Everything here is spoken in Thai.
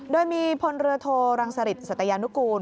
โดยมีพลเรือโทรังสริตสัตยานุกูล